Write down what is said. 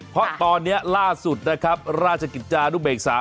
เพราะตอนนี้ล่าสุดนะครับราชกิจจานุเบกษา